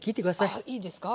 あいいんですか？